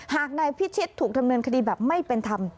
หากนายพิชิตถูกดำเนินคดีแบบไม่เป็นธรรม